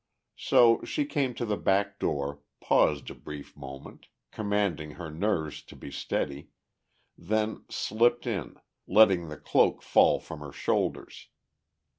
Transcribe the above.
So she came to the back door, paused a brief moment, commanding her nerves to be steady, then slipped in, letting the cloak fall from her shoulders.